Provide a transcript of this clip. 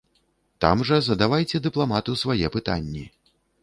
Там жа задавайце дыпламату свае пытанні!